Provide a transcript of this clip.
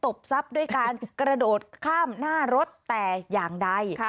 บทรัพย์ด้วยการกระโดดข้ามหน้ารถแต่อย่างใด